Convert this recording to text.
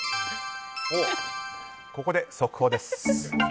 ここで速報です。